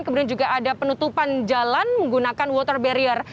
kemudian juga ada penutupan jalan menggunakan water barrier